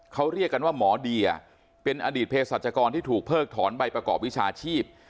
เขาเรียกกันว่าหมอเดียเป็นอดีตเพศรัชกรที่ถูกเพิกถอนใบประกอบวิชาชีพ